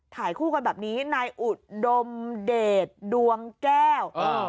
ถ่ายคู่กันแบบนี้นายอุดมเดชดวงแก้ว